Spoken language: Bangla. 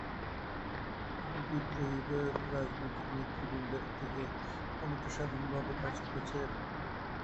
তিনি বিদ্রোহের রাজনৈতিক নেতৃবৃন্দের থেকে অনেকটা স্বাধীনভাবে কাজ করেছেন।